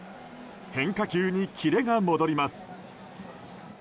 変化球にキレが戻ります。